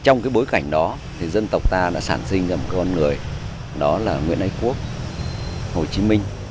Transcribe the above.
trong cái bối cảnh đó dân tộc ta đã sản sinh ra một con người đó là nguyễn ái quốc hồ chí minh